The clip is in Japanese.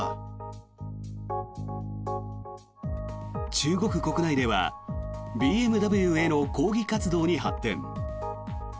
中国国内ではＢＭＷへの抗議活動に発展。